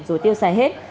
rồi tiêu xài hết